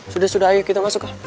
sudah sudah ayo kita masuk lah